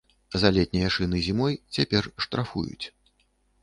За летнія шыны зімой цяпер штрафуюць.